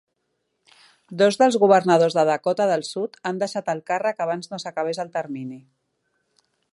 Dos dels governadors de Dakota del Sud han deixat el càrrec abans no s'acabés el termini.